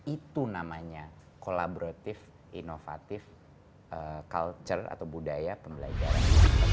itu namanya kolaboratif inovatif culture atau budaya pembelajaran